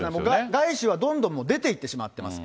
外資はどんどん出ていってしまっています。